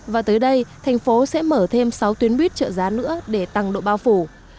và tới đây thành phố sẽ mở thêm sáu tuyến buýt trợ giá nữa để tăng độ bao phủ